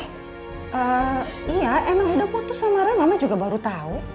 eee iya emang udah putus sama roy mama juga baru tau